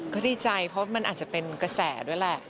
ก็ดีใจเพราะมันอาจจะเป็นกระแสด้วยแหละ